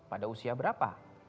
pada usia berapa